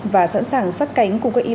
và sẵn sàng sát cánh của các y bác